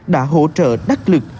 đã hỗ trợ đắc lực